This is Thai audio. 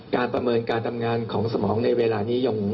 ประเมินการทำงานของสมองในเวลานี้ยัง